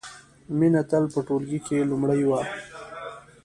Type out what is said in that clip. مینه تل په ټولګي کې لومړۍ وه